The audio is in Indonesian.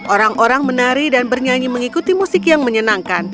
orang orang menari dan bernyanyi mengikuti musik yang menyenangkan